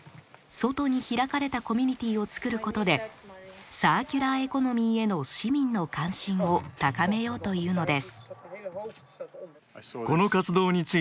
外に開かれたコミュニティーをつくることでサーキュラーエコノミーへの市民の関心を高めようというのです。